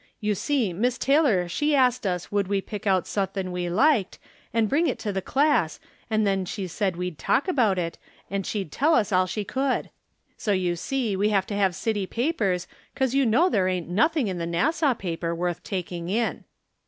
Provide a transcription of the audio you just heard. You see Miss Taylor she asked us would we pick out suthin' we liked, and bring it to the class, and then she said we'd talk .about it, and she'd tell us all she could. So you see we have to have city papers, 'cause you know there ain't nothing in the Nassau paper worth taldng in."